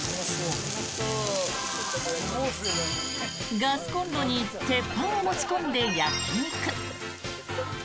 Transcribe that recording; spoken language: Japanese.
ガスコンロに鉄板を持ち込んで焼き肉。